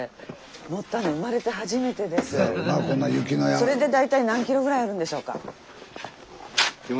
それで大体何キロぐらいあるんでしょうか？